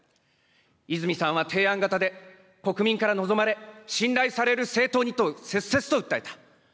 泉さんは提案型で、国民から望まれ、信頼される政党にと、切々と訴えた。